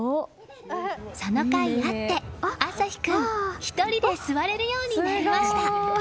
そのかいあって、朝陽君１人で座れるようになりました。